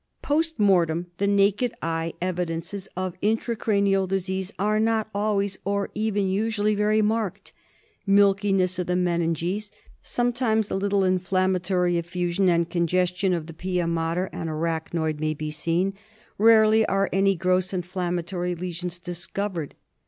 Post mortem the naked eye evidences of intracranial disease are not always, or even usually, very marked. Milkiness of the meninges, sometimes a little inflamma tory effusion and congestion of the pia mater and arach THE SLEEPING SICKNESS. II5 noid may be seen ; rarely are any gross inflammatory lesions discovered.